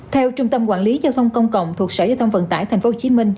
theo trung tâm quản lý giao thông công cộng thuộc sở giao thông vận tải tp hcm